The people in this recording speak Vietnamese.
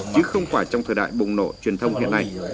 chứ không phải trong thời đại bùng nổ truyền thông hiện nay